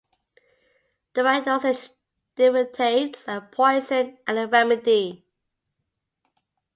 The right dosage differentiates a poison and a remedy.